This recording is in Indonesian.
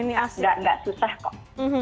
nggak susah kok